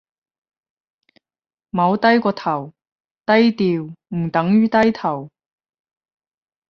冇低過頭，低調唔等於低頭